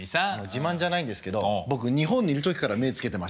自慢じゃないんですけど僕日本にいる時から目つけてましたからね。